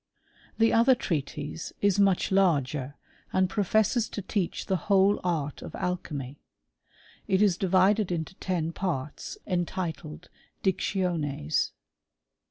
The other treatise is much larger, and professes to teach the whole art of alchymy ; it is divided into ten parts, entitled " Dictiones."